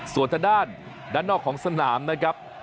ส่วนทางด้านด้านนอกของสนามนะครับ